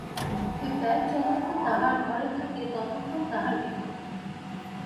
এ bag যতক্ষণ তাহার ঘরে থাকে ততক্ষণ তাহার বিপদ।